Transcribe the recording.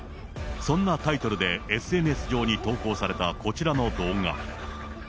そんなタイトルでＳＮＳ上に投稿されたこちらの動画。